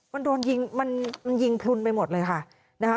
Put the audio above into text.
มันโดนยิงมันยิงพลุนไปหมดเลยค่ะนะคะ